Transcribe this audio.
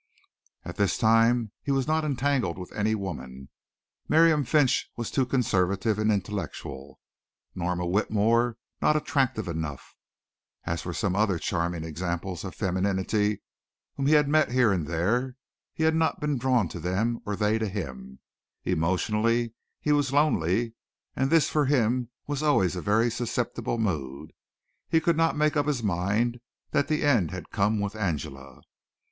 At this time he was not entangled with any woman. Miriam Finch was too conservative and intellectual; Norma Whitmore not attractive enough. As for some other charming examples of femininity whom he had met here and there, he had not been drawn to them or they to him. Emotionally he was lonely and this for him was always a very susceptible mood. He could not make up his mind that the end had come with Angela.